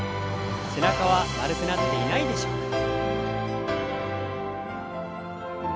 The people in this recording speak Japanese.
背中は丸くなっていないでしょうか？